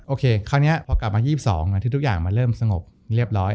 คราวนี้พอกลับมา๒๒ที่ทุกอย่างมันเริ่มสงบเรียบร้อย